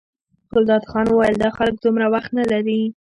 ګلداد خان وویل دا خلک دومره وخت نه لري.